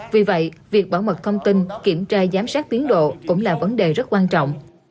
vì vậy việc bảo mật thông tin kiểm tra giám sát tiến độ cũng là vấn đề rất quan trọng